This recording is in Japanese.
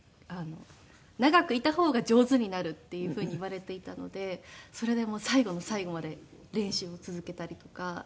長くいた方が上手になるっていうふうにいわれていたのでそれで最後の最後まで練習を続けたりとか。